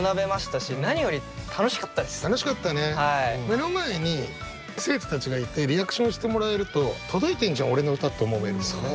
目の前に生徒たちがいてリアクションしてもらえると「届いてんじゃん俺の歌」って思えるもんね。